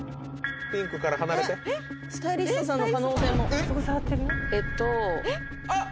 ピンクから離れてスタイリストさんの可能性もあっ！